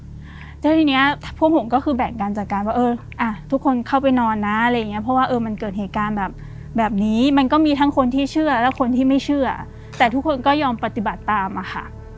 แล้วทีนี้พวกผมก็คือแบ่งการจัดการว่าเอออ่ะทุกคนเข้าไปนอนนะอะไรอย่างเงี้ยเพราะว่ามันเกิดเหตุการณ์แบบแบบนี้มันก็มีทั้งคนที่เชื่อและคนที่ไม่เชื่อแต่ทุกคนก็ยอมปฏิบัติตามอะค่ะ